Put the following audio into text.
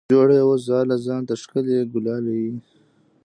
جوړه یې وه ځاله ځان ته ښکلې ګلالۍ